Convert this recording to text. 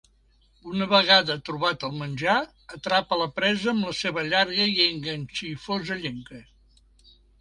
Una vegada trobat el menjar, atrapa la presa amb la seva llarga i enganxifosa llengua.